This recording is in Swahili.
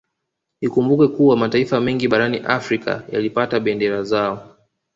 Ikumbukwe kuwa mataifa mengi barani Afrika yalipata bendera zao